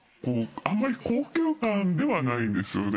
あんまり高級感ではないんですよね